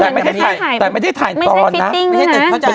ไม่ใช่ทายตอนไม่ใช่เฟตติ้งนะคะ